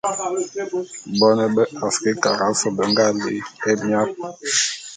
Bone be Afrikara fe be nga li'i émiap.